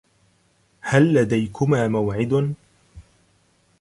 هل لديكما موعد؟